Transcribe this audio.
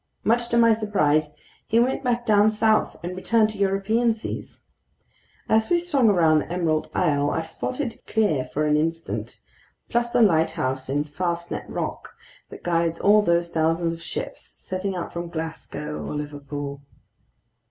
Much to my surprise, he went back down south and returned to European seas. As we swung around the Emerald Isle, I spotted Cape Clear for an instant, plus the lighthouse on Fastnet Rock that guides all those thousands of ships setting out from Glasgow or Liverpool.